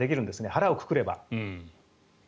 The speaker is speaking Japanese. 腹をくくれば。